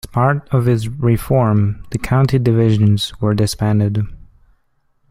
As part of this reform, the County Divisions were disbanded.